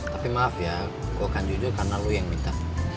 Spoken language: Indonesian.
tapi maaf ya gue akan jujur karena lu yang minta